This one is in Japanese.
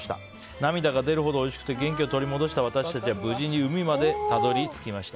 涙が出るほどおいしくて元気を取り戻した私たちは無事に海までたどり着きました。